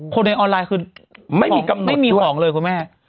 ในออนไลน์คือไม่มีของเลยคุณแม่